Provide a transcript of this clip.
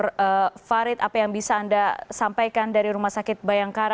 dokter farid apa yang bisa anda sampaikan dari rumah sakit bayangkara